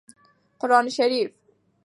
قران شريف